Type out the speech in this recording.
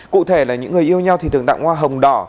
cụ thể là những người yêu nhau thì thường tặng hoa hồng đỏ